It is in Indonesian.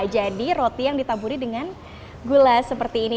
jadi roti yang ditaburi dengan gula seperti ini